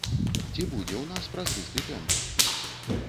Ці будзе ў нас празрысты тэндэр?